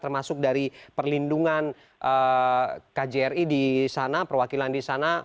termasuk dari perlindungan kjri di sana perwakilan di sana